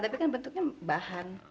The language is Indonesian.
tapi kan bentuknya bahan